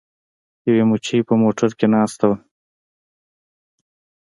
یوې مچۍ په موټر کې ناسته وه.